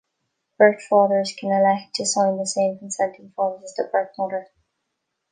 Birth fathers can elect to sign the same consenting forms as the birth mother.